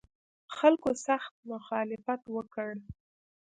خلکو سخت مخالفت وکړ.